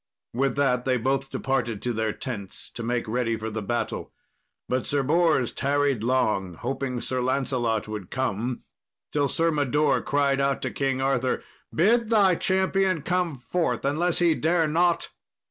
With that they both departed to their tents to make ready for the battle. But Sir Bors tarried long, hoping Sir Lancelot would come, till Sir Mador cried out to King Arthur, "Bid thy champion come forth, unless he dare not."